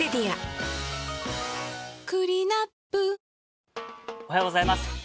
◆おはようございます。